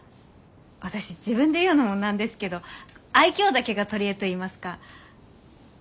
私自分で言うのもなんですけど愛嬌だけが取り柄といいますか。